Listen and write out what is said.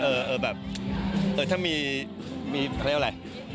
แต่เออเออแบบแต่ถ้ามีมีคำเรียกว่าอะไร